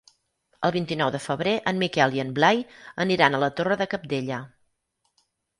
El vint-i-nou de febrer en Miquel i en Blai aniran a la Torre de Cabdella.